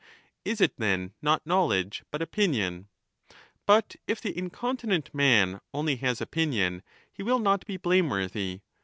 ^ Is it then not knowledge, but opinion ? But if the in continent man only has opinion, he will not be blame I20I^ worthy.